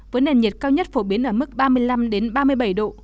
với nền nhiệt cao nhất phổ biến ở mức ba mươi năm ba mươi bảy độ